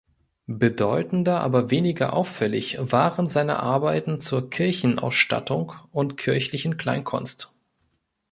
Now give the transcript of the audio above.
Bedeutender aber weniger auffällig waren seine Arbeiten zur Kirchenausstattung und kirchlichen Kleinkunst.